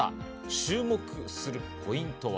注目するポイントは。